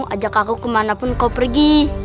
ajak aku kemana pun kau pergi